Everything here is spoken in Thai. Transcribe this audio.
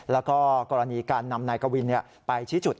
แล้วก็กรณีการนำนายกวินไปชี้จุด